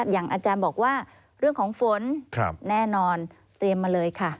อย่างอาจารย์บอกว่าเรื่องของฝนแน่นอนเตรียมมาเลยค่ะ